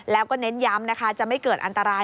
แล้วก็เน้นย้ำนะคะจะไม่เกิดอันตราย